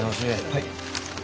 はい。